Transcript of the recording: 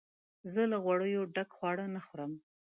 زه له غوړیو ډک خواړه نه خورم.